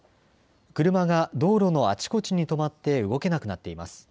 車が道路のあちこちに止まって動けなくなっています。